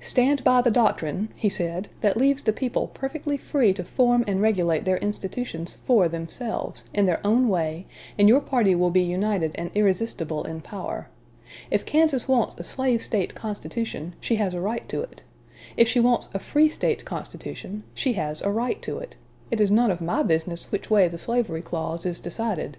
"Stand by the doctrine," he said, "that leaves the people perfectly free to form and regulate their institutions for themselves, in their own way, and your party will be united and irresistible in power.... If Kansas wants a slave State constitution, she has a right to it; if she wants a free State constitution, she has a right to it. It is none of my business which way the slavery clause is decided.